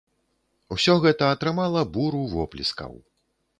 Усё гэта атрымала буру воплескаў.